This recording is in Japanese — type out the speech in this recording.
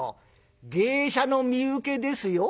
芸者の身請けですよ。